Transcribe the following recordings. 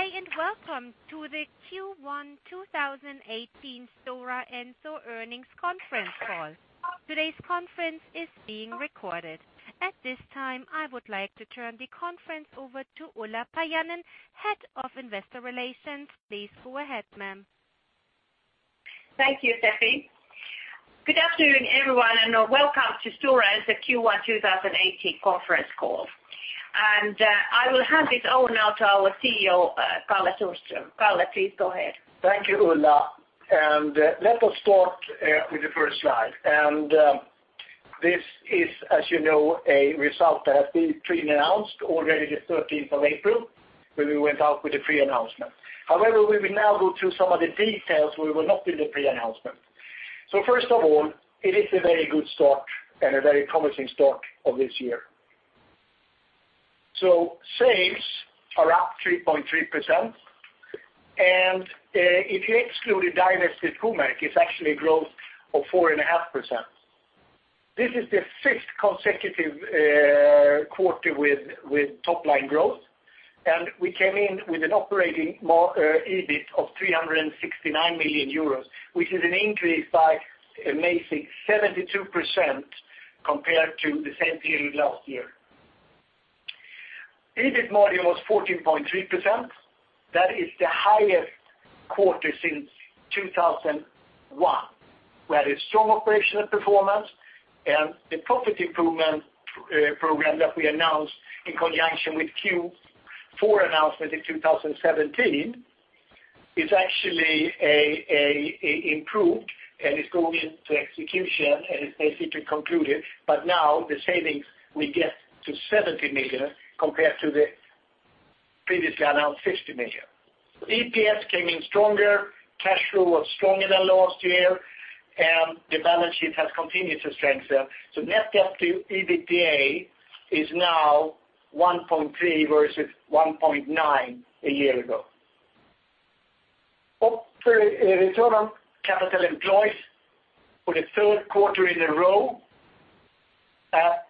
Good day, welcome to the Q1 2018 Stora Enso earnings conference call. Today's conference is being recorded. At this time, I would like to turn the conference over to Ulla Paajanen, head of investor relations. Please go ahead, ma'am. Thank you, Steffi. Good afternoon, everyone, welcome to Stora Enso Q1 2018 conference call. I will hand it over now to our CEO, Karl-Henrik Sundström. Kalle, please go ahead. Thank you, Ulla. Let us start with the first slide. This is, as you know, a result that has been pre-announced already the 13th of April, when we went out with the pre-announcement. However, we will now go through some of the details we were not in the pre-announcement. First of all, it is a very good start and a very promising start of this year. Sales are up 3.3%, and if you exclude the divested Puumerkki, it's actually a growth of 4.5%. This is the fifth consecutive quarter with top-line growth, we came in with an operating EBIT of 369 million euros, which is an increase by amazing 72% compared to the same period last year. EBIT margin was 14.3%. That is the highest quarter since 2001. We had a strong operational performance, the profit improvement program that we announced in conjunction with Q4 announcement in 2017 is actually improved and is going into execution and is basically concluded. Now the savings we get to 70 million compared to the previously announced 60 million. EPS came in stronger, cash flow was stronger than last year, the balance sheet has continued to strengthen. Net debt to EBITDA is now 1.3 versus 1.9 a year ago. Operating return on capital employed for the third quarter in a row at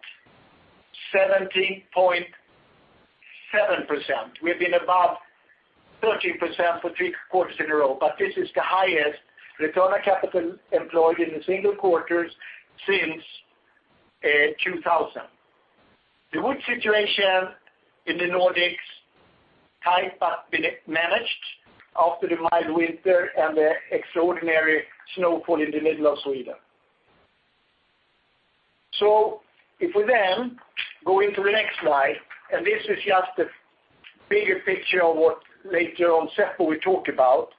17.7%. We've been above 13% for three quarters in a row, this is the highest return on capital employed in a single quarter since 2000. The wood situation in the Nordics, tight but been managed after the mild winter and the extraordinary snowfall in the middle of Sweden. If we go into the next slide, this is just the bigger picture of what later on Seppo will talk about,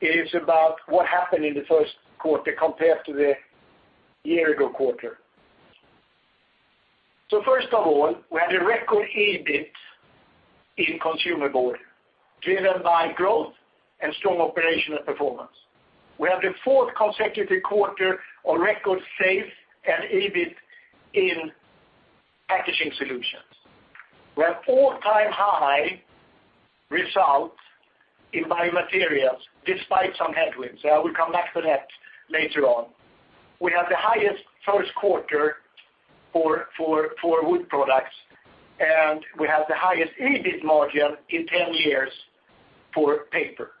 is about what happened in the first quarter compared to the year-ago quarter. First of all, we had a record EBIT in Consumer Board, driven by growth and strong operational performance. We have the fourth consecutive quarter of record sales and EBIT in Packaging Solutions. We have all-time high results in Biomaterials despite some headwinds. I will come back to that later on. We have the highest first quarter for Wood Products, and we have the highest EBIT margin in 10 years for Paper.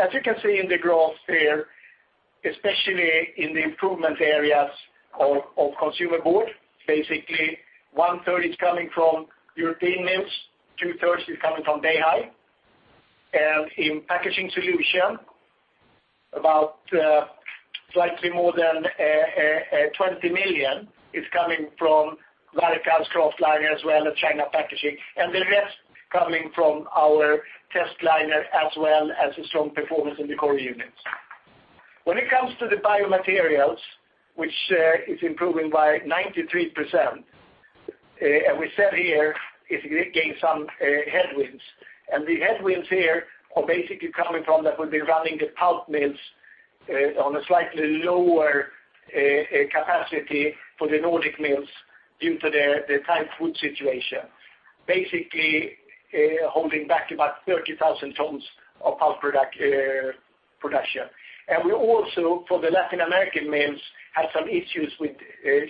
As you can see in the graphs there, especially in the improvement areas of Consumer Board, basically one-third is coming from European mills, two-thirds is coming from Beihai. In Packaging Solutions, about slightly more than 20 million is coming from Varkaus kraftliner as well as China Packaging, and the rest coming from our testliner as well as a strong performance in the core units. When it comes to the Biomaterials, which is improving by 93%, we said here it gained some headwinds. The headwinds here are basically coming from that we've been running the pulp mills on a slightly lower capacity for the Nordic mills due to the tight wood situation, basically holding back about 30,000 tons of pulp production. We also, for the Latin American mills, had some issues with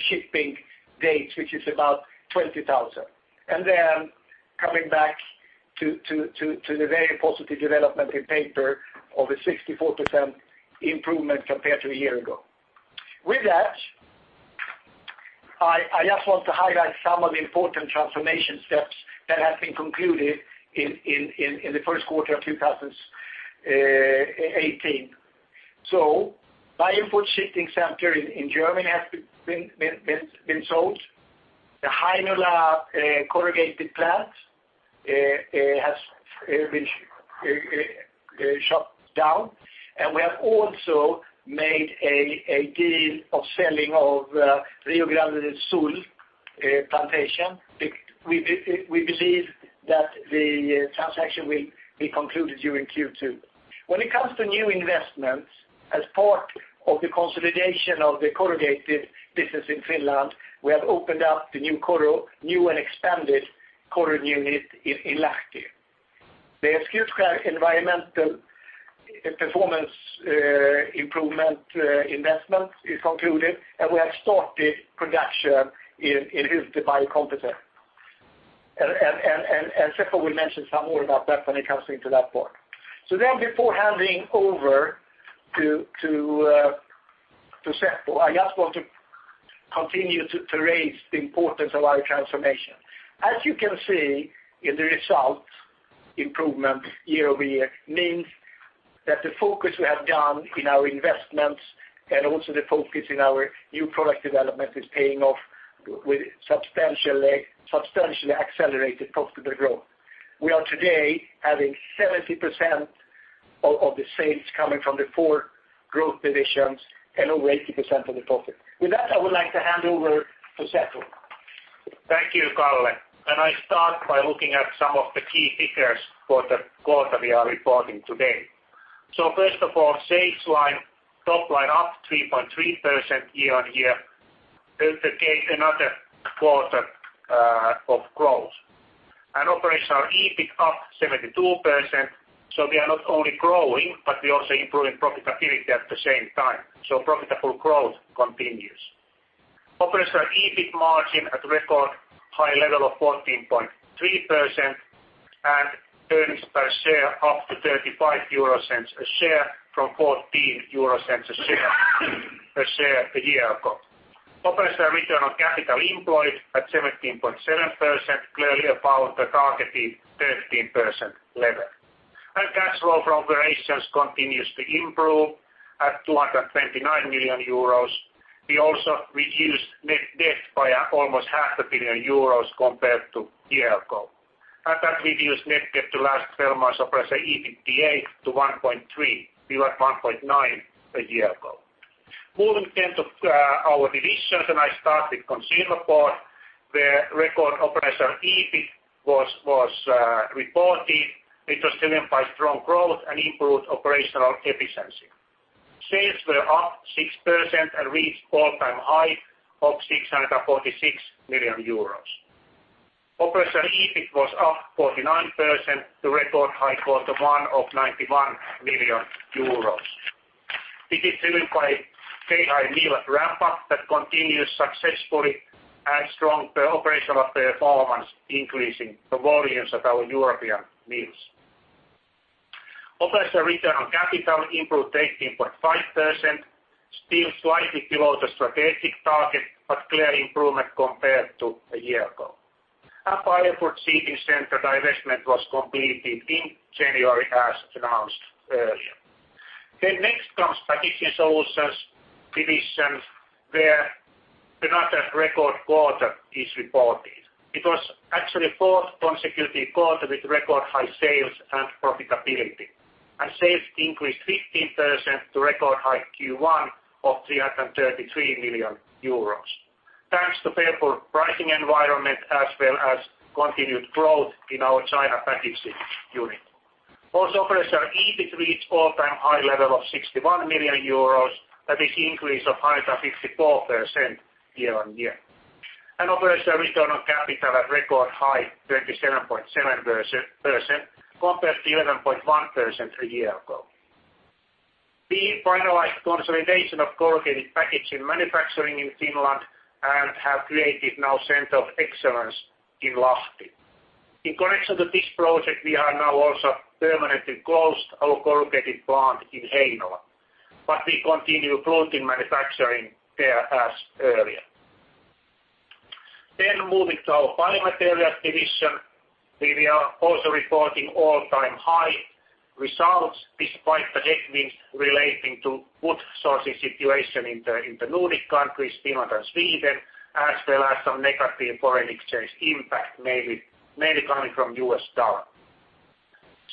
shipping dates, which is about 20,000. Coming back to the very positive development in Paper of a 64% improvement compared to a year-ago. With that, I just want to highlight some of the important transformation steps that have been concluded in the first quarter of 2018. Baienfurt sheeting center in Germany has been sold. The Heinola Corrugated Plant has been shut down. We have also made a deal of selling of Rio Grande do Sul plantation. We believe that the transaction will be concluded during Q2. When it comes to new investments, as part of the consolidation of the corrugated business in Finland, we have opened up the new and expanded corrug unit in Imatra. The Eskilstuna environmental performance improvement investment is concluded, and we have started production in Hylte biocomposite. Seppo will mention some more about that when it comes into that part. Before handing over to Seppo, I just want to continue to raise the importance of our transformation. As you can see in the results, improvement year-over-year means that the focus we have done in our investments and also the focus in our new product development is paying off with substantially accelerated profitable growth. We are today having 70% of the sales coming from the four growth divisions and over 80% of the profit. With that, I would like to hand over to Seppo. Thank you, Kalle. I start by looking at some of the key figures for the quarter we are reporting today. First of all, sales line, top line up 3.3% year-over-year, EBITDA another quarter of growth. Operational EBIT up 72%, we are not only growing, but we're also improving profitability at the same time. Profitable growth continues. Operational EBIT margin at record high level of 14.3% and earnings per share up to 0.35 a share from 0.14 a share a year ago. Operational return on capital employed at 17.7%, clearly above the targeted 13% level. Cash flow from operations continues to improve at 229 million euros. We also reduced net debt by almost half a billion euros compared to a year ago. That reduced net debt to last 12 months operational EBITDA to 1.3. We were at 1.9 a year ago. Moving to our divisions, I start with Consumer Board, where record operational EBIT was reported, which was driven by strong growth and improved operational efficiency. Sales were up 6% and reached all-time high of 646 million euros. Operational EBIT was up 49%, the record high Q1 of 91 million euros. This is driven by Beihai mill ramp-up that continues successfully and strong operational performance, increasing the volumes at our European mills. Operational return on capital improved 18.5%, still slightly below the strategic target, but clear improvement compared to a year ago. Our Baienfurt sheeting center divestment was completed in January as announced earlier. Next comes Packaging Solutions division, where another record quarter is reported. It was actually 4th consecutive quarter with record high sales and profitability. Sales increased 15% to record high Q1 of 333 million euros. Thanks to favorable pricing environment as well as continued growth in our China packaging unit. Also, operational EBIT reached all-time high level of 61 million euros. That is increase of 154% year-over-year. Operational return on capital at record high 27.7% compared to 11.1% a year ago. We finalized consolidation of corrugated packaging manufacturing in Finland and have created now Center of Excellence in Lahti. In connection with this project, we are now also permanently closed our corrugated plant in Heinola, but we continue fluting manufacturing there as earlier. Moving to our Biomaterials division. We are also reporting all-time high results despite the headwinds relating to wood sourcing situation in the Nordic countries, Finland and Sweden, as well as some negative foreign exchange impact mainly coming from US dollar.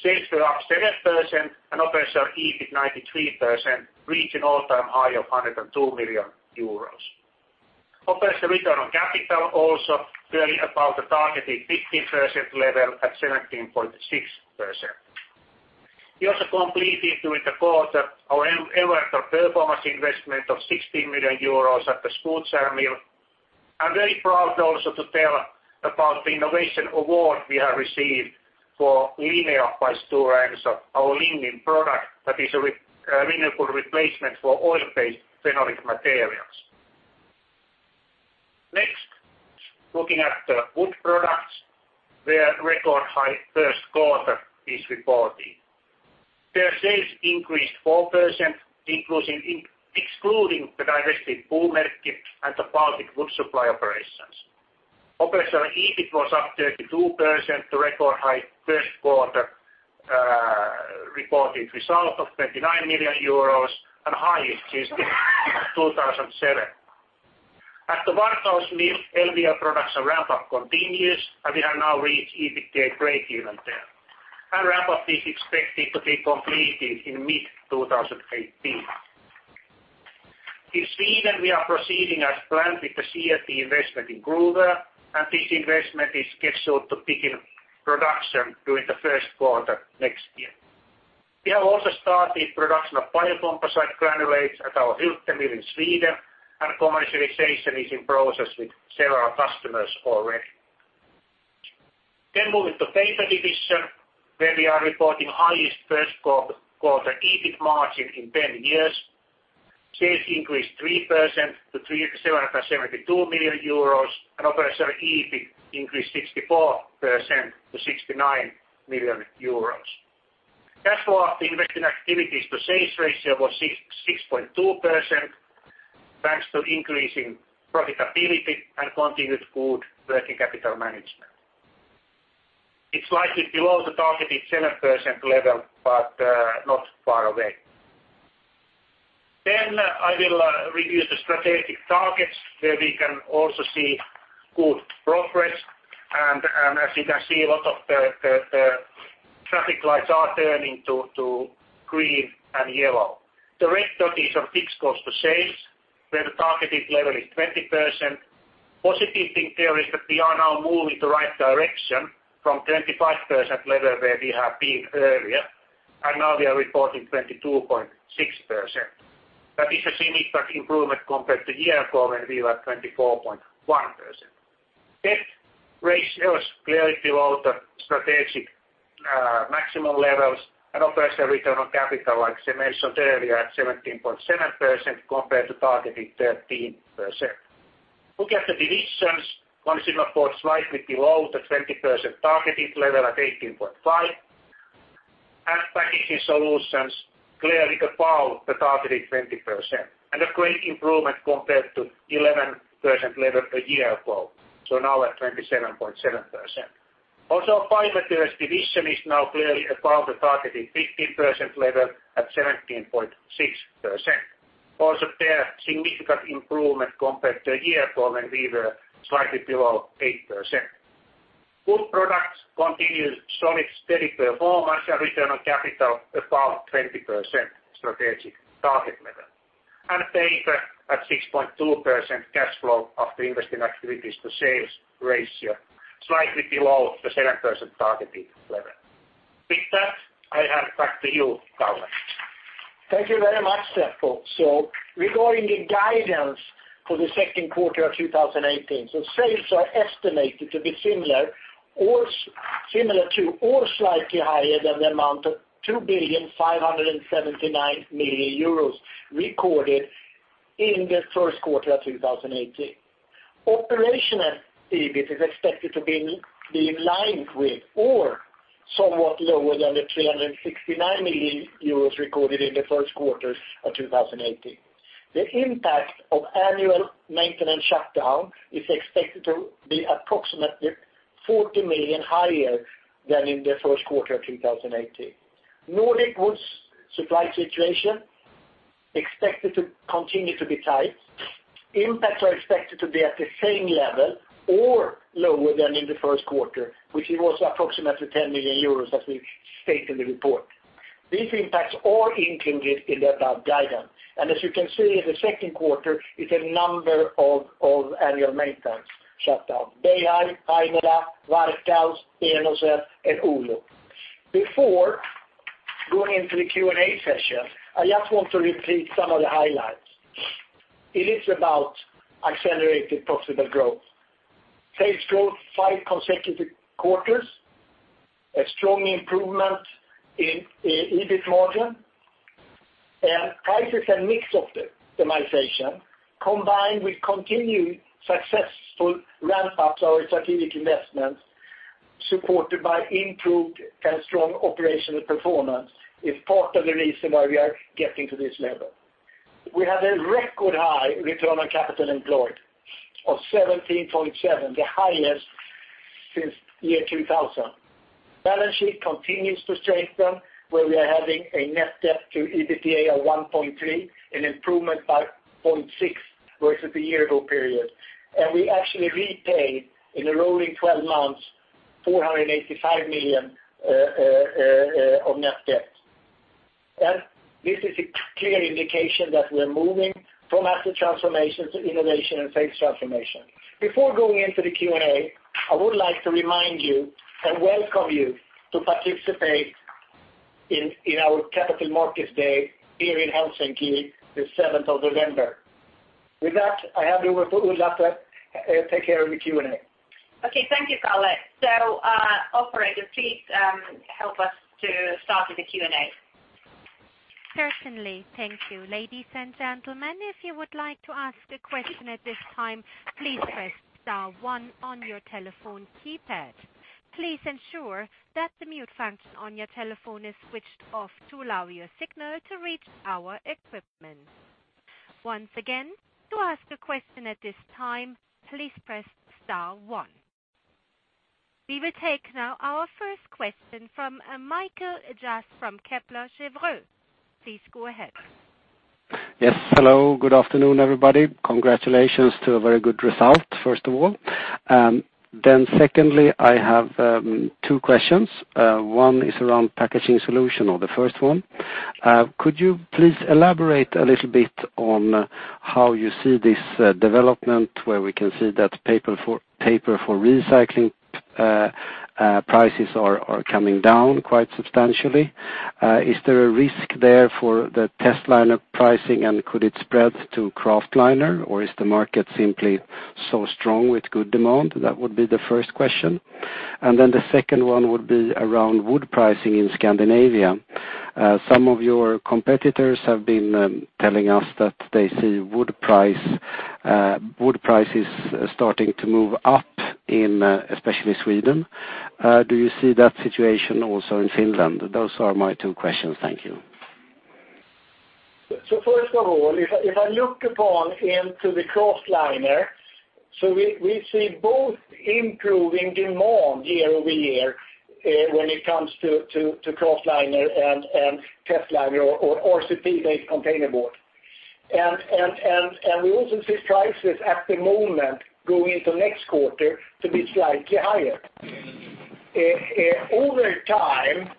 Sales were up 7%, operational EBIT 93%, reaching all-time high of 102 million euros. Operational return on capital also clearly above the targeted 15% level at 17.6%. We also completed during the quarter our environmental performance investment of 60 million euros at the Skutskär mill. I'm very proud also to tell about the innovation award we have received for Lineo by Stora Enso, our lignin product that is a renewable replacement for oil-based phenolic materials. Next, looking at the Wood Products, where record high 1st quarter is reported. Their sales increased 4%, excluding the divested Puumerkki and the Baltic wood supply operations. Operational EBIT was up 32% to record high 1st quarter reported result of 29 million euros and highest since 2007. At the Varkaus mill, LVL production ramp-up continues, and we have now reached EBITDA breakeven there. Ramp-up is expected to be completed in mid-2018. In Sweden, we are proceeding as planned with the CLT investment in Gruvön, this investment is scheduled to begin production during the first quarter next year. We have also started production of biocomposite granulates at our Hylte mill in Sweden, commercialization is in process with several customers already. Moving to Paper division, where we are reporting highest first quarter EBIT margin in 10 years. Sales increased 3% to 372 million euros and operational EBIT increased 64% to 69 million euros. Cash flow after investing activities to sales ratio was 6.2%, thanks to increasing profitability and continued good working capital management. It is slightly below the targeted 7% level, but not far away. I will review the strategic targets where we can also see good progress. As you can see, a lot of the traffic lights are turning to green and yellow. The red dot is on fixed cost to sales, where the targeted level is 20%. Positive thing there is that we are now moving the right direction from 25% level where we have been earlier, we are reporting 22.6%. That is a significant improvement compared to year ago when we were at 24.1%. Debt ratio is clearly below the strategic maximum levels and operational return on capital, like I mentioned earlier, at 17.7% compared to targeted 13%. Look at the divisions. Consumer Board slightly below the 20% targeted level at 18.5%. Packaging Solutions clearly above the targeted 20%. A great improvement compared to 11% level a year ago, so now at 27.7%. Also, Fibers division is now clearly above the targeted 15% level at 17.6%. Also there, significant improvement compared to a year ago when we were slightly below 8%. Wood Products continued solid, steady performance and return on capital above 20% strategic target level. Paper at 6.2% cash flow after investing activities to sales ratio, slightly below the 7% targeted level. With that, I hand back to you, Kalle. Thank you very much, Seppo. Regarding the guidance for the second quarter of 2018. Sales are estimated to be similar to or slightly higher than the amount of 2.579 million euros recorded in the first quarter of 2018. Operational EBIT is expected to be in line with or somewhat lower than the 369 million euros recorded in the first quarter of 2018. The impact of annual maintenance shutdown is expected to be approximately 40 million higher than in the first quarter of 2018. Nordic wood supply situation expected to continue to be tight. Impacts are expected to be at the same level or lower than in the first quarter, which was approximately 10 million euros as we state in the report. These impacts are included in the above guidance. As you can see in the second quarter is a number of annual maintenance shutdown. Beihai, Heinola, Varkaus, Enocell, and Oulu. Before going into the Q&A session, I just want to repeat some of the highlights. It is about accelerated profitable growth. Sales growth five consecutive quarters, a strong improvement in EBIT margin, prices and mix optimization combined with continued successful ramp up our strategic investments supported by improved and strong operational performance is part of the reason why we are getting to this level. We have a record high return on capital employed of 17.7%, the highest since 2000. Balance sheet continues to strengthen where we are having a net debt to EBITDA of 1.3x, an improvement by 0.6x versus the year ago period. We actually repaid in a rolling 12 months, 485 million of net debt. This is a clear indication that we're moving from asset transformation to innovation and sales transformation. Before going into the Q&A, I would like to remind you and welcome you to participate in our Capital Markets Day here in Helsinki, the 7th of November. With that, I hand over to Ulla to take care of the Q&A. Okay. Thank you, Kalle. Operator, please help us to start with the Q&A. Certainly. Thank you. Ladies and gentlemen, if you would like to ask a question at this time, please press star one on your telephone keypad. Please ensure that the mute function on your telephone is switched off to allow your signal to reach our equipment. Once again, to ask a question at this time, please press star one. We will take now our first question from Mikael Jafs from Kepler Cheuvreux. Please go ahead. Yes. Hello. Good afternoon, everybody. Congratulations to a very good result, first of all. Secondly, I have two questions. One is around Packaging Solutions or the first one. Could you please elaborate a little bit on how you see this development where we can see that paper for recycling prices are coming down quite substantially. Is there a risk there for the testliner pricing and could it spread to kraftliner or is the market simply so strong with good demand? That would be the first question. The second one would be around wood pricing in Scandinavia. Some of your competitors have been telling us that they see wood prices starting to move up in especially Sweden. Do you see that situation also in Finland? Those are my two questions. Thank you. First of all, if I look upon into the kraftliner, we see both improving demand year-over-year when it comes to kraftliner and testliner or RCP-based containerboard. We also see prices at the moment going into next quarter to be slightly higher. Over time,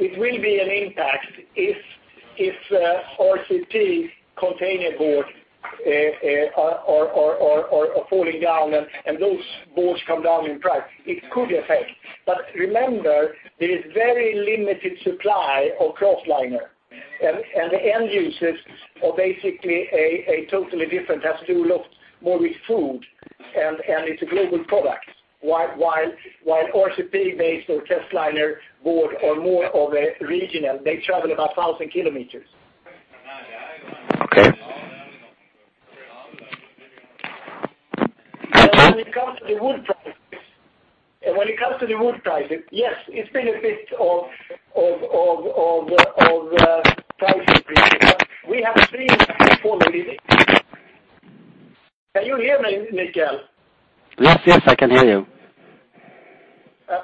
it will be an impact if RCP containerboard are falling down and those boards come down in price. It could affect. Remember, there is very limited supply of kraftliner, and the end users are basically a totally different, have to look more with food, and it's a global product, while RCP-based or testliner board are more of a regional. They travel about 1,000 kilometers. Okay. When it comes to the wood prices, yes, it's been a bit of price increase. We have seen it falling a bit. Can you hear me, Mikael? Yes, I can hear you.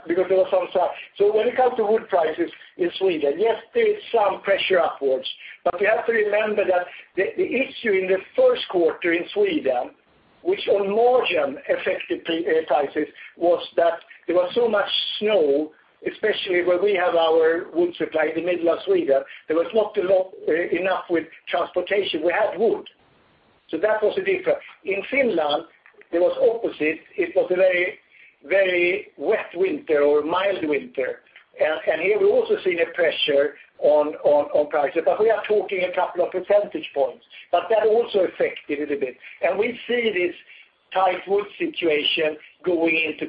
When it comes to wood prices in Sweden, yes, there is some pressure upwards. We have to remember that the issue in the first quarter in Sweden, which on margin affected prices, was that there was so much snow, especially where we have our wood supply in the middle of Sweden. There was not enough with transportation. We had wood. That was the difference. In Finland, it was opposite. It was a very wet winter or mild winter. Here we also see the pressure on prices, but we are talking a couple of percentage points. That also affected it a bit. We see this tight wood situation going into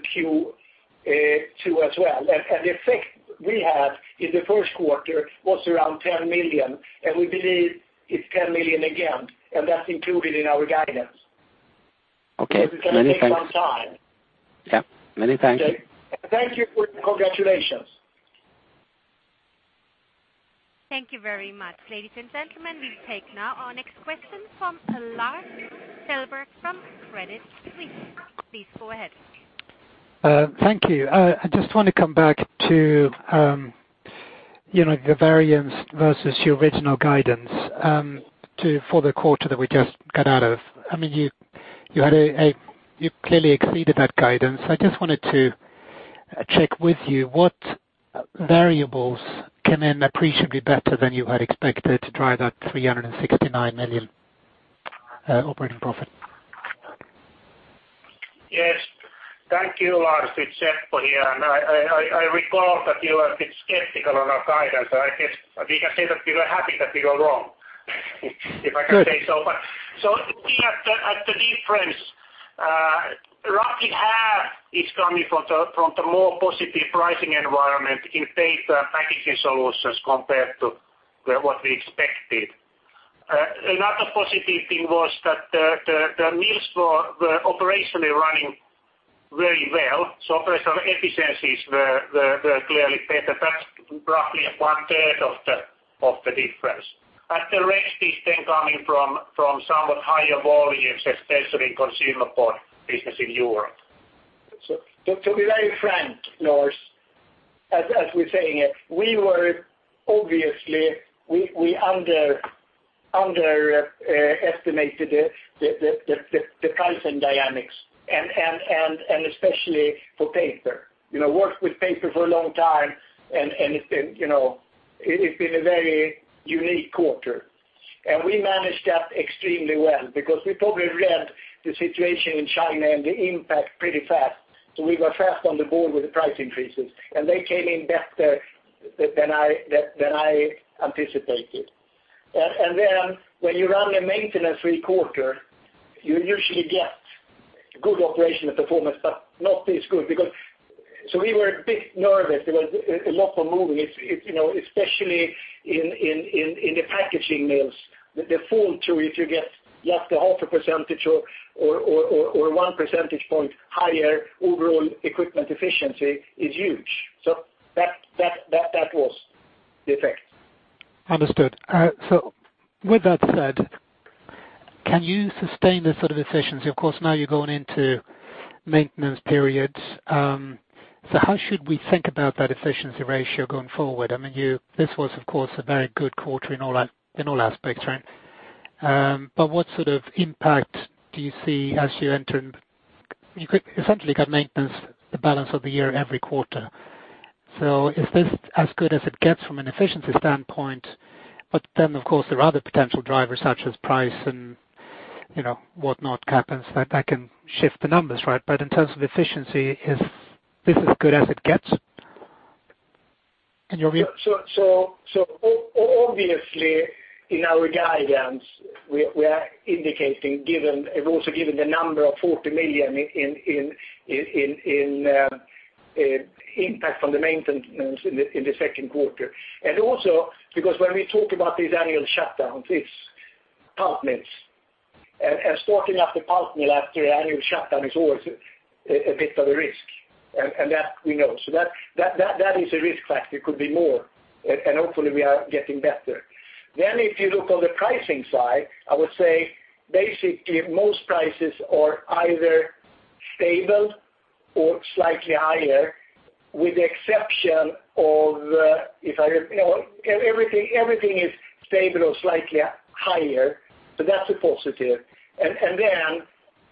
Q2 as well. The effect we had in the first quarter was around 10 million, and we believe it's 10 million again, and that's included in our guidance. Okay. Many thanks. It's going to take some time. Yeah. Many thank you. Thank you for the congratulations. Thank you very much. Ladies and gentlemen, we take now our next question from Lars Kjellberg from Credit Suisse. Please go ahead. Thank you. I just want to come back to the variance versus your original guidance for the quarter that we just got out of. You clearly exceeded that guidance. I just wanted to check with you what variables came in appreciably better than you had expected to drive that 369 million operating profit? Yes. Thank you, Lars. It's Seppo here. I recall that you were a bit skeptical on our guidance. I guess we can say that we were happy that we were wrong, if I can say so. Looking at the difference, roughly half is coming from the more positive pricing environment in paper Packaging Solutions compared to what we expected. Another positive thing was that the mills were operationally running very well. Operational efficiencies were clearly better. That's roughly one third of the difference. The rest is then coming from somewhat higher volumes, especially Consumer Board business in Europe. To be very frank, Lars, as we're saying it, obviously we underestimated the pricing dynamics and especially for paper. Worked with paper for a long time, it's been a very unique quarter. We managed that extremely well because we probably read the situation in China and the impact pretty fast. We were fast on the board with the price increases, and they came in better than I anticipated. When you run a maintenance-free quarter, you usually get good operational performance, but not this good. We were a bit nervous. There was a lot of moving, especially in the packaging mills. The fall, too, if you get just a half a percentage or 1 percentage point higher OEE is huge. That was the effect. Understood. With that said, can you sustain this sort of efficiency? Of course, now you're going into maintenance periods. How should we think about that efficiency ratio going forward? This was of course a very good quarter in all aspects, right? What sort of impact do you see? You essentially got maintenance the balance of the year every quarter. Is this as good as it gets from an efficiency standpoint? Of course, there are other potential drivers such as price and whatnot happens that can shift the numbers, right? In terms of efficiency, is this as good as it gets, in your view? Obviously in our guidance, we are indicating, have also given the number of 40 million in impact from the maintenance in the second quarter. Because when we talk about these annual shutdowns, it's pulp mills. Starting up the pulp mill after the annual shutdown is always a bit of a risk. That we know. That is a risk factor. It could be more, and hopefully we are getting better. If you look on the pricing side, I would say basically most prices are either stable or slightly higher, everything is stable or slightly higher. That's a positive.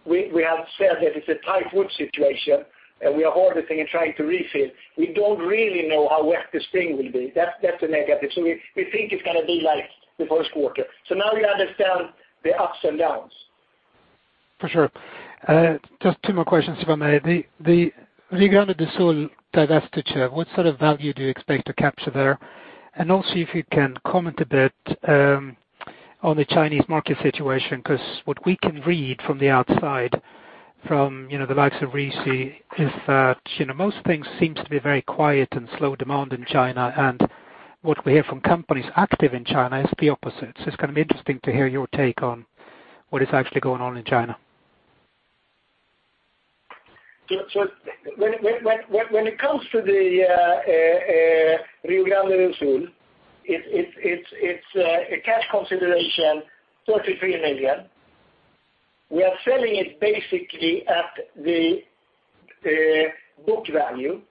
We have said that it's a tight wood situation and we are harvesting and trying to refill. We don't really know how wet the spring will be. That's the negative. We think it's going to be like the first quarter. Now you understand the ups and downs. For sure. Just two more questions, if I may. The Rio Grande do Sul divestiture, what sort of value do you expect to capture there? Also if you can comment a bit on the Chinese market situation, because what we can read from the outside from the likes of RISI is that most things seems to be very quiet and slow demand in China. What we hear from companies active in China is the opposite. It's going to be interesting to hear your take on what is actually going on in China. When it comes to the Rio Grande do Sul, it's a cash consideration, 33 million. We are selling it basically at the book value.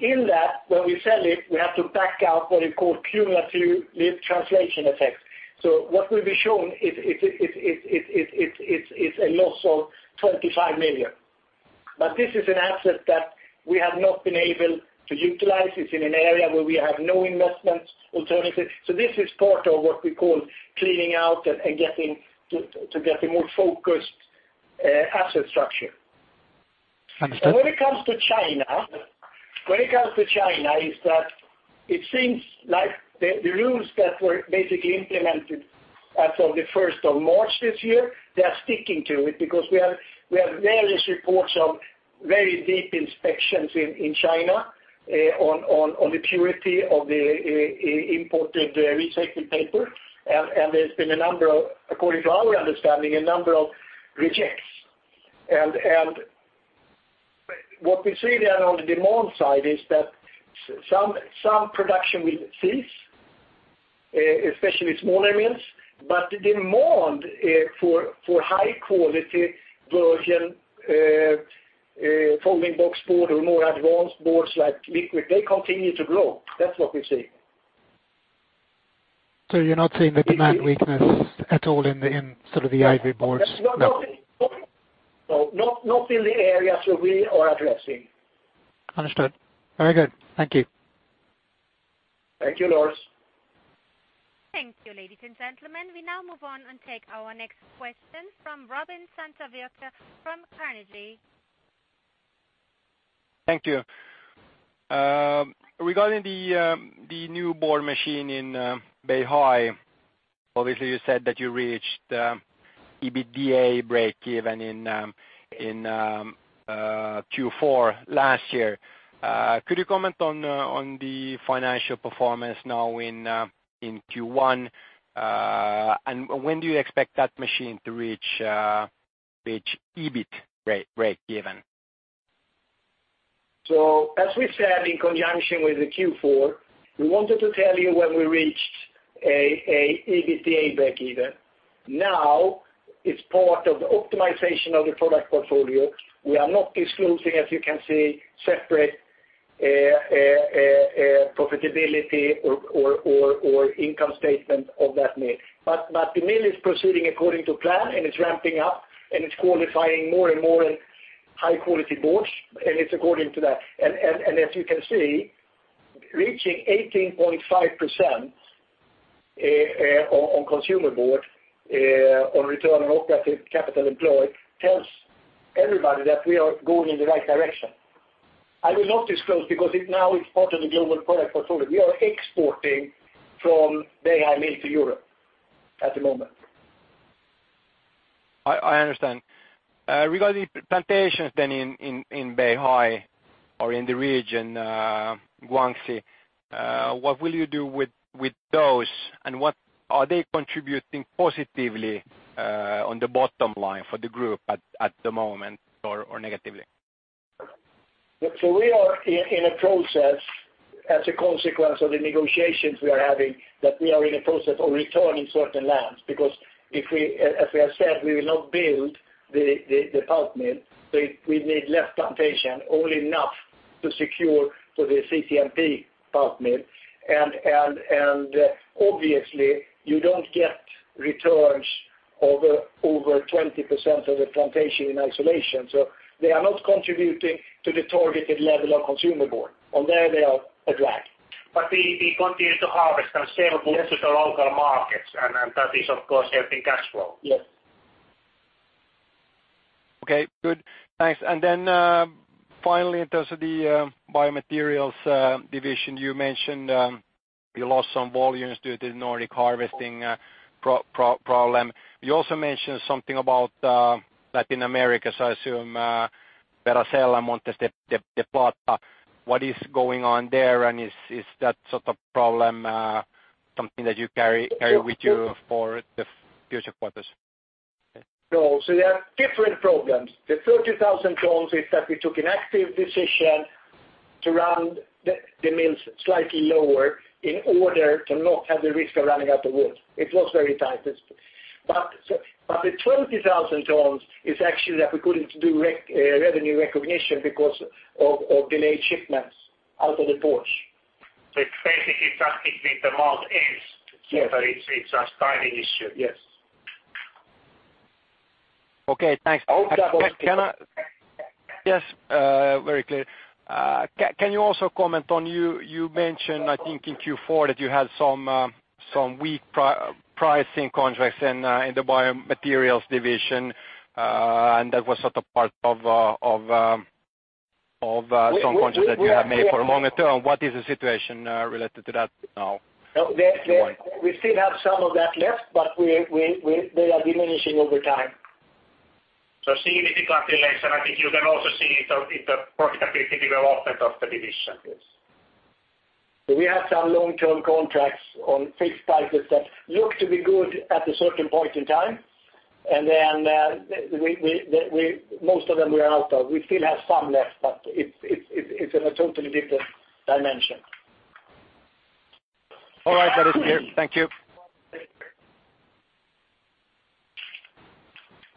In that, when we sell it, we have to back out what we call cumulative translation effects. What will be shown, it's a loss of 25 million. This is an asset that we have not been able to utilize. It's in an area where we have no investments alternative. This is part of what we call cleaning out and to get a more focused asset structure. Understood. When it comes to China, is that it seems like the rules that were basically implemented as of the 1st of March this year, they are sticking to it because we have various reports of very deep inspections in China on the purity of the imported recycling paper. There's been, according to our understanding, a number of rejects. What we see there on the demand side is that some production will cease, especially smaller mills. The demand for high quality virgin folding boxboard or more advanced boards like liquid, they continue to grow. That's what we see. You're not seeing the demand weakness at all in the ivory boards? No. No, not in the areas where we are addressing. Understood. Very good. Thank you. Thank you, Lars. Thank you, ladies and gentlemen. We now move on and take our next question from Robin Santavirta from Carnegie. Thank you. Regarding the new board machine in Beihai, obviously you said that you reached EBITDA break even in Q4 last year. Could you comment on the financial performance now in Q1? When do you expect that machine to reach EBIT break even? As we said, in conjunction with the Q4, we wanted to tell you when we reached a EBITDA break even. It's part of the optimization of the product portfolio. We are not disclosing, as you can see, separate profitability or income statement of that mill. The mill is proceeding according to plan, and it's ramping up, and it's qualifying more and more in high-quality boards, and it's according to that. As you can see, reaching 18.5% on Consumer Board on return on operating capital employed tells everybody that we are going in the right direction. I will not disclose because now it's part of the global product portfolio. We are exporting from Beihai Mill to Europe at the moment. I understand. Regarding plantations then in Beihai or in the region, Guangxi, what will you do with those? Are they contributing positively on the bottom line for the group at the moment, or negatively? We are in a process as a consequence of the negotiations we are having, that we are in a process of returning certain lands, because as we have said, we will not build the pulp mill. We need less plantation, only enough to secure for the CTMP pulp mill. Obviously you don't get returns over 20% of the plantation in isolation, so they are not contributing to the targeted level of Consumer Board. On there they are a drag. We continue to harvest and sell board to the local markets, and that is of course helping cash flow. Yes. Okay, good. Thanks. Finally, in terms of the Biomaterials division, you mentioned you lost some volumes due to the Nordic harvesting problem. You also mentioned something about Latin America, so I assume Veracel and Montes del Plata, what is going on there? Is that sort of problem something that you carry with you for the future quarters? No. They are different problems. The 30,000 tons is that we took an active decision to run the mills slightly lower in order to not have the risk of running out of wood. It was very tight. The 20,000 tons is actually that we couldn't do revenue recognition because of delayed shipments out of the ports. It's basically just hit the month end. Yes. it's just timing issue. Yes. Okay, thanks. I hope that was clear. Yes, very clear. Can you also comment on, you mentioned, I think in Q4 that you had some weak pricing contracts in the Biomaterials division, and that was sort of part of some contracts that you have made for longer term. What is the situation related to that now going forward? We still have some of that left, they are diminishing over time. See the decline I think you can also see it in the profitability development of the division. Yes. We have some long-term contracts on fixed prices that look to be good at a certain point in time. Most of them we are out of. We still have some left, it's in a totally different dimension. All right. That is clear. Thank you. Thank you.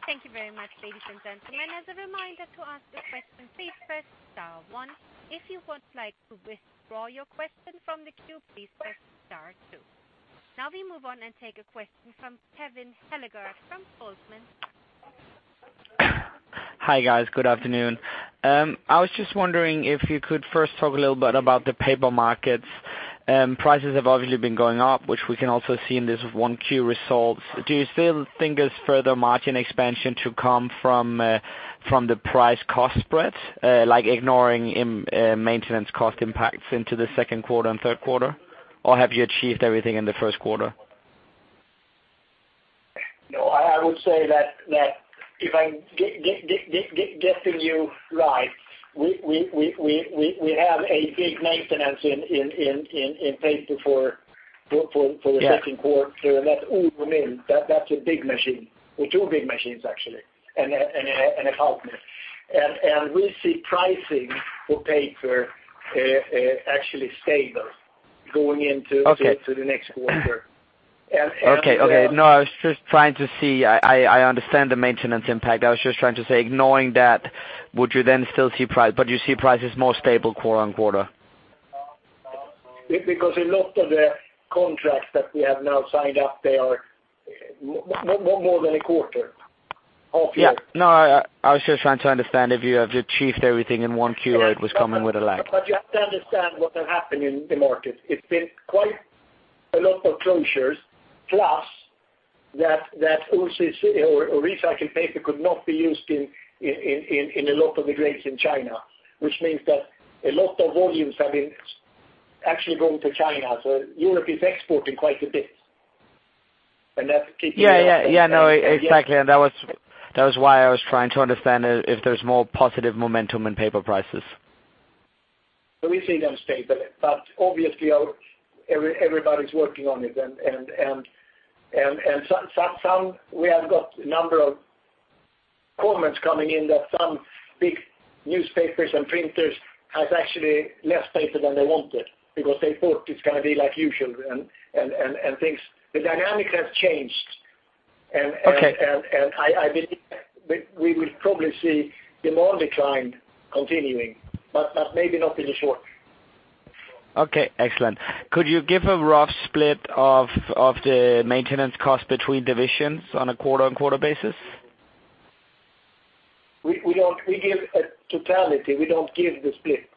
Thank you very much, ladies and gentlemen. As a reminder, to ask a question, please press star one. If you would like to withdraw your question from the queue, please press star two. Now we move on and take a question from Kevin Hellegård from Goldman. Hi, guys. Good afternoon. I was just wondering if you could first talk a little bit about the paper markets. Prices have obviously been going up, which we can also see in this one Q results. Do you still think there's further margin expansion to come from the price-cost spreads, like ignoring maintenance cost impacts into the second quarter and third quarter? Have you achieved everything in the first quarter? No, I would say that if I'm getting you right, we have a big maintenance in paper for the second quarter. Yeah. That's Oulu Mill. That's a big machine. Well, two big machines, actually, and a pulp mill. We see pricing for paper actually stable going into the next quarter. Okay. No, I was just trying to see. I understand the maintenance impact. I was just trying to say, ignoring that, you see prices more stable quarter on quarter? A lot of the contracts that we have now signed up, they are more than a quarter, half year. Yeah. No, I was just trying to understand if you have achieved everything in one Q or it was coming with a lag. You have to understand what has happened in the market. It's been quite a lot of closures plus that recycled paper could not be used in a lot of the grades in China, which means that a lot of volumes have been actually going to China. Europe is exporting quite a bit. That's keeping- Yeah. No, exactly. That was why I was trying to understand if there's more positive momentum in paper prices. We see them stable. Obviously, everybody's working on it. We have got a number of comments coming in that some big newspapers and printers has actually less paper than they wanted because they thought it's going to be like usual and things. The dynamic has changed. Okay. I believe we will probably see demand decline continuing, but maybe not in the short. Okay, excellent. Could you give a rough split of the maintenance cost between divisions on a quarter-on-quarter basis? We give a totality. We do not give the split.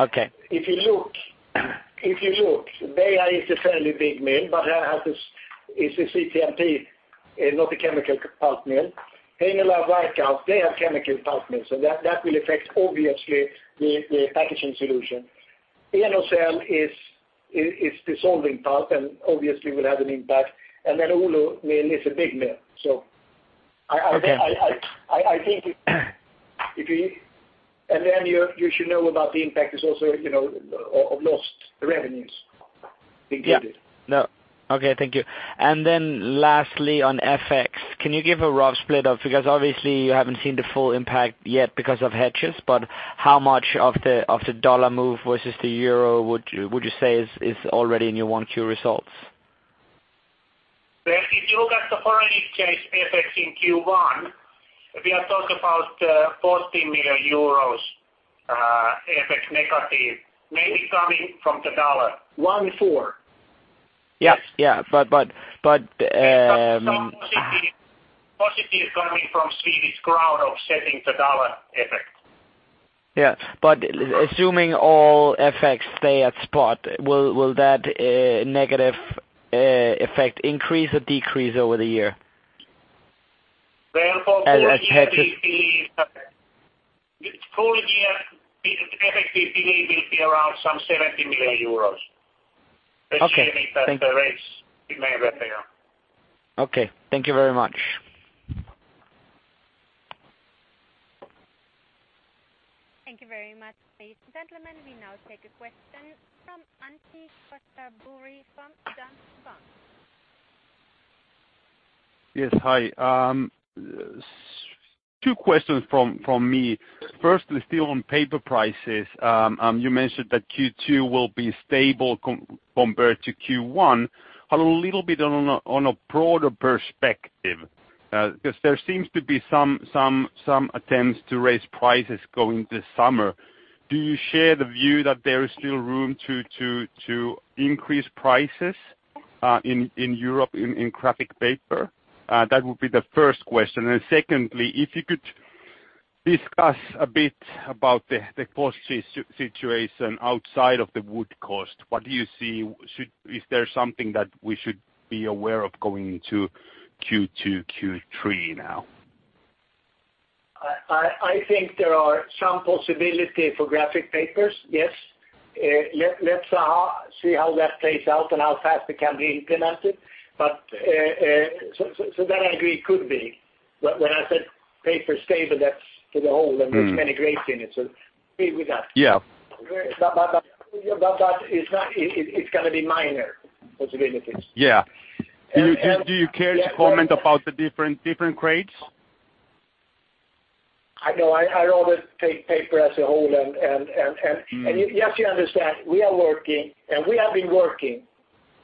Okay. If you look, Beihai is a fairly big mill, Beihai is a CTMP, not a chemical pulp mill. Heinola and Varkaus, they have chemical pulp mills, that will affect obviously the Packaging Solutions. Enocell is dissolving pulp obviously will have an impact. Oulu Mill is a big mill. Okay. You should know about the impact is also of lost revenues included. Yeah. No. Okay. Thank you. Lastly, on FX, can you give a rough split of, because obviously you haven't seen the full impact yet because of hedges, but how much of the U.S. dollar move versus the euro would you say is already in your Q1 results? If you look at the foreign exchange effects in Q1, we are talking about €14 million, FX negative, mainly coming from the U.S. dollar. 14. Yeah. Some positive coming from Swedish crown offsetting the U.S. dollar effect. Yeah. Assuming all effects stay at spot, will that negative effect increase or decrease over the year? Well, for full year, the FX impact will be around some 17 million euros. Okay. Thank you. Okay. Thank you very much. Thank you very much. Ladies and gentlemen, we now take a question from Antti Koskivuori from Danske Bank. Yes. Hi. Two questions from me. Firstly, still on paper prices. You mentioned that Q2 will be stable compared to Q1. A little bit on a broader perspective, because there seems to be some attempts to raise prices going this summer. Do you share the view that there is still room to increase prices in Europe, in graphic paper? That would be the first question. Secondly, if you could discuss a bit about the cost situation outside of the wood cost, what do you see? Is there something that we should be aware of going into Q2, Q3 now? I think there are some possibility for graphic papers, yes. Let's see how that plays out and how fast it can be implemented. That I agree could be. When I said paper stable, that's for the whole and there's many grades in it. Agree with that. Yeah. That it's going to be minor possibilities. Yeah. Do you care to comment about the different grades? I know I always take paper as a whole and you have to understand, we are working, and we have been working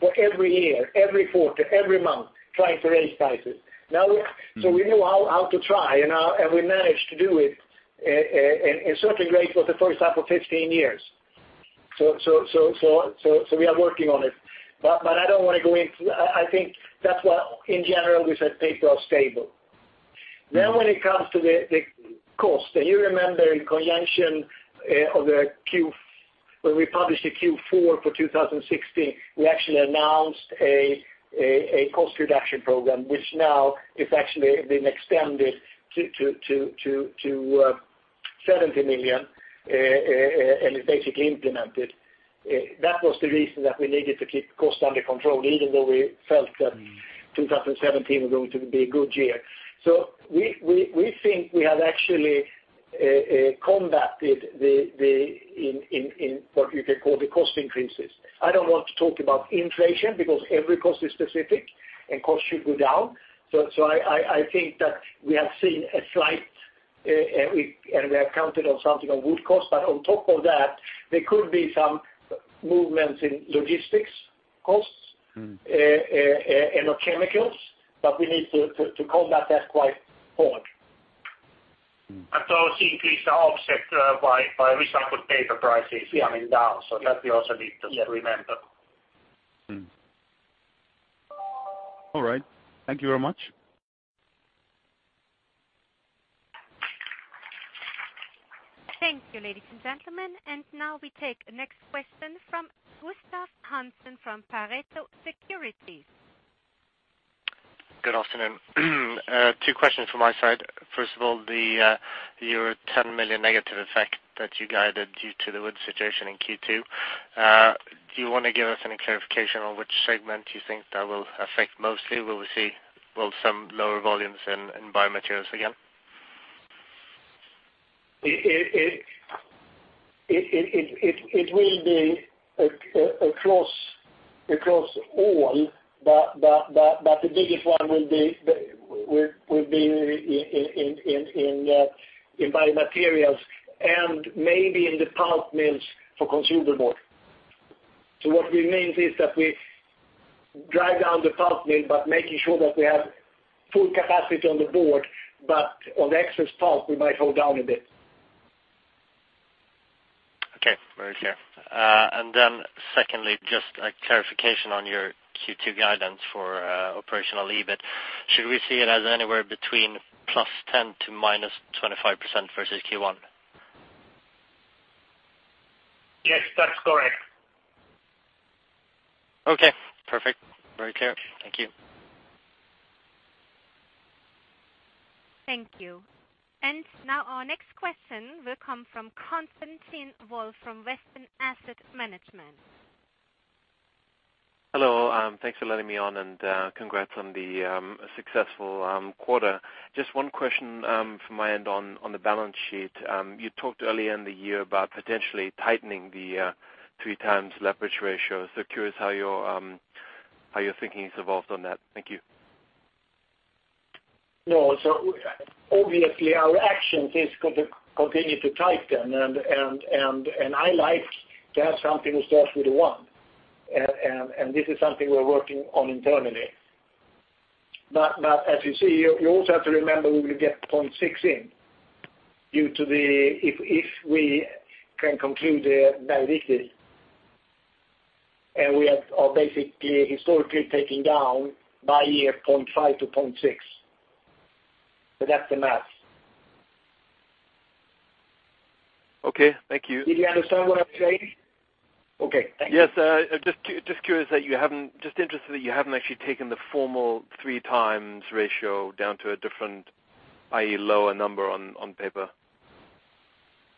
for every year, every quarter, every month, trying to raise prices. We know how to try and we managed to do it in certain grades for the first time for 15 years. We are working on it. I don't want to go into. I think that's why in general we said paper was stable. When it comes to the cost, you remember in conjunction when we published the Q4 for 2016, we actually announced a cost reduction program, which now is actually been extended to 70 million, and is basically implemented. That was the reason that we needed to keep costs under control, even though we felt that 2017 was going to be a good year. We think we have actually combated in what you can call the cost increases. I don't want to talk about inflation because every cost is specific and cost should go down. I think that we have seen a slight, and we have counted on something on wood cost, but on top of that, there could be some movements in logistics costs and chemicals. We need to combat that quite hard. Those increase are offset by recycled paper prices coming down. That we also need to remember. All right. Thank you very much. Thank you, ladies and gentlemen. Now we take the next question from Gustaf Hansson from Pareto Securities. Good afternoon. Two questions from my side. First of all, the 10 million negative effect that you guided due to the wood situation in Q2. Do you want to give us any clarification on which segment you think that will affect mostly? Will we see some lower volumes in Biomaterials again? It will be across all, but the biggest one will be in Biomaterials and maybe in the pulp mills for Consumer Board. What we mean is that we drive down the pulp mill, but making sure that we have full capacity on the board, but on the excess pulp, we might hold down a bit. Okay. Very clear. Secondly, just a clarification on your Q2 guidance for operational EBIT. Should we see it as anywhere between +10% to -25% versus Q1? Yes, that's correct. Okay, perfect. Very clear. Thank you. Thank you. Now our next question will come from Constantin Wolf from Western Asset Management. Hello, thanks for letting me on and congrats on the successful quarter. Just one question from my end on the balance sheet. You talked earlier in the year about potentially tightening the three times leverage ratio. Curious how your thinking has evolved on that. Thank you. Obviously our actions is continue to tighten I like to have something that starts with a one. This is something we're working on internally. As you see, you also have to remember we will get 0.6 in, if we can conclude the and we are basically historically taking down by year 0.5 to 0.6. That's the math. Okay. Thank you. Did you understand what I'm saying? Okay. Thank you. Yes, just interested that you haven't actually taken the formal three times ratio down to a different, i.e. lower number on paper.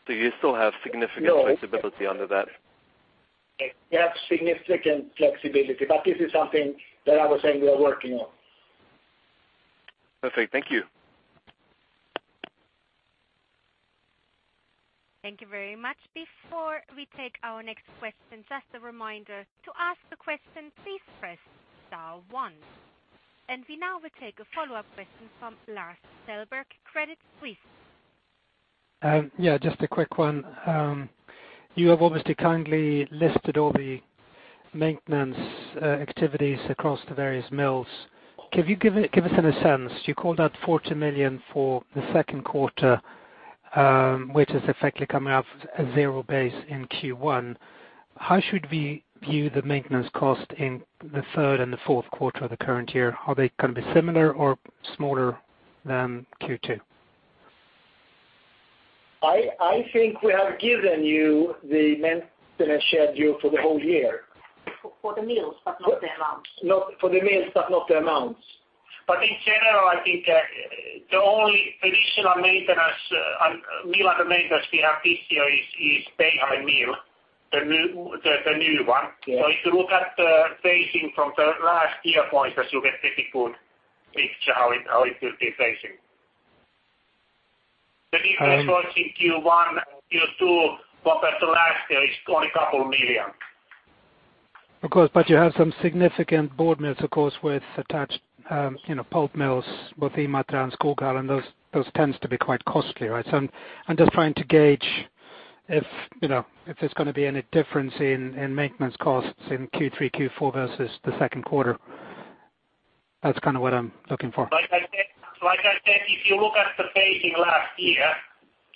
Do you still have significant flexibility under that? We have significant flexibility, but this is something that I was saying we are working on. Perfect. Thank you. Thank you very much. Before we take our next question, just a reminder, to ask the question, please press star one. We now will take a follow-up question from Lars Kjellberg, Credit Suisse. Yeah, just a quick one. You have obviously kindly listed all the maintenance activities across the various mills. Can you give us any sense? You called out 40 million for the second quarter, which is effectively coming off a zero base in Q1. How should we view the maintenance cost in the third and the fourth quarter of the current year? Are they going to be similar or smaller than Q2? I think we have given you the maintenance schedule for the whole year. For the mills, but not the amounts. For the mills, but not the amounts. In general, I think the only additional mill maintenance we have this year is Beihai mill, the new one. Yeah. If you look at the phasing from the last year pointers, you get a pretty good picture how it will be phasing. The difference between Q1 and Q2 compared to last year is only EUR a couple million. Of course, you have some significant board mills, of course, with attached pulp mills, both Imatra and Skoghall, those tends to be quite costly, right? I'm just trying to gauge if there's going to be any difference in maintenance costs in Q3, Q4 versus the second quarter. That's what I'm looking for. Like I said, if you look at the phasing last year,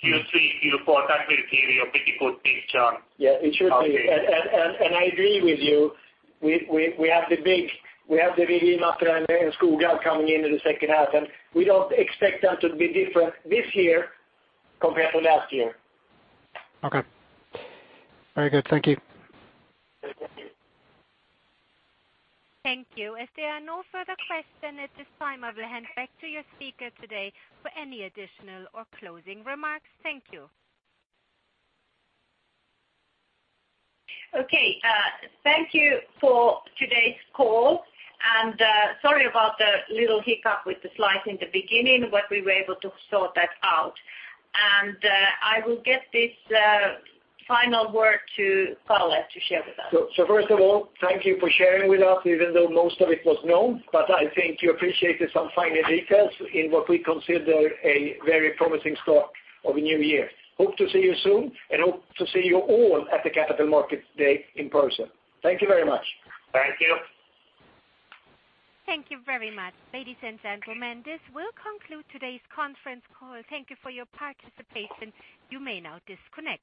Q3, Q4, that will give you a pretty good picture. Yeah, it should be. I agree with you. We have the big Imatra and Skoghall coming into the second half, we don't expect that to be different this year compared to last year. Okay. Very good. Thank you. Thank you. Thank you. If there are no further question at this time, I will hand back to your speaker today for any additional or closing remarks. Thank you. Okay. Thank you for today's call, sorry about the little hiccup with the slides in the beginning, we were able to sort that out. I will give this final word to Karl to share with us. First of all, thank you for sharing with us, even though most of it was known, I think you appreciated some finer details in what we consider a very promising start of a new year. Hope to see you soon, hope to see you all at the Capital Markets Day in person. Thank you very much. Thank you. Thank you very much. Ladies and gentlemen, this will conclude today's conference call. Thank you for your participation. You may now disconnect.